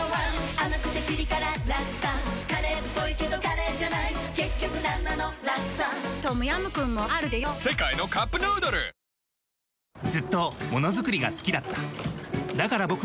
甘くてピリ辛ラクサカレーっぽいけどカレーじゃない結局なんなのラクサトムヤムクンもあるでヨ世界のカップヌードルありがとうございます！